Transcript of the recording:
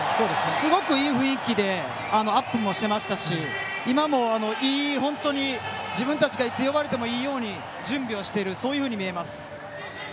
すごくいい雰囲気でアップしていましたし今も自分たちがいつ呼ばれてもいいように準備しているように見えます。